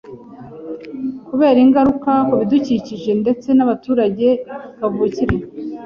kubera ingaruka ku bidukikije ndetse n’abaturage kavukire.